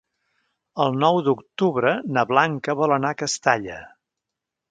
El nou d'octubre na Blanca vol anar a Castalla.